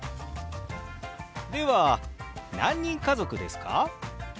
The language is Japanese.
では何人家族ですか？